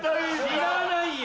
知らないよ。